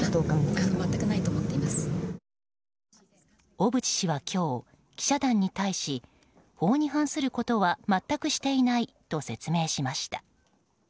小渕氏は、今日記者団に対し法に反することは全くしていないと説明しました。